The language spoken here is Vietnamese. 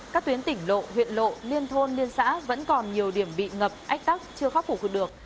các tuyến tỉnh lộ huyện lộ liên thôn liên xã vẫn còn nhiều điểm bị ngập ách tắc chưa khắc phục được